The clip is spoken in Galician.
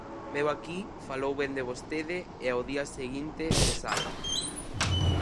Veu aquí, falou ben de vostede e, ao día seguinte, cesárono.